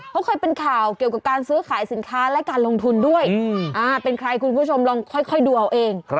เขาเคยเป็นข่าวเกี่ยวกับการซื้อขายสินค้าและการลงทุนด้วยเป็นใครคุณผู้ชมลองค่อยดูเอาเอง